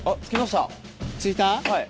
着いた？